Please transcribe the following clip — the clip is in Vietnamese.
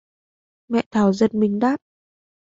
Mẹ Thảo giật mình đáp